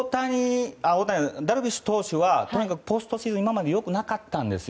ダルビッシュ投手はとにかくポストシーズンは今までよくなかったんです。